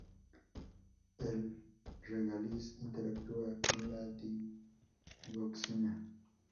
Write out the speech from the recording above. El regaliz interactúa con la digoxina.